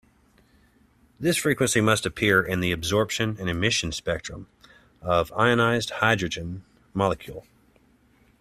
This frequency must appear in the absorption and emission spectrum of ionized hydrogen molecule.